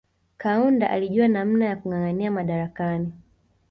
Kaunda alijua namna ya kungangania madarakani